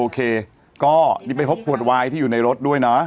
ก็ให้ไปพบขวดไวท์ที่อยู่ในรถด้วยนะ